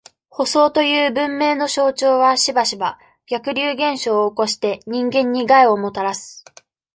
舗装という文明の象徴は、しばしば、逆流現象を起こして、人間に害をもたらす。